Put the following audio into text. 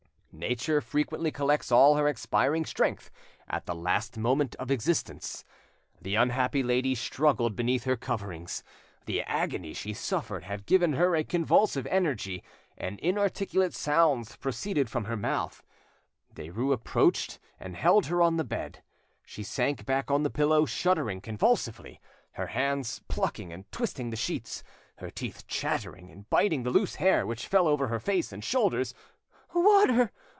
Nature frequently collects all her expiring strength at the last moment of existence. The unhappy lady struggled beneath her coverings; the agony she suffered had given her a convulsive energy, and inarticulate sounds proceeded from her mouth. Derues approached and held her on the bed. She sank back on the pillow, shuddering convulsively, her hands plucking and twisting the sheets, her teeth chattering and biting the loose hair which fell over her face and shoulders. "Water!